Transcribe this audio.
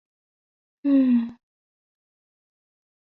日语的赏花一般指的是赏樱。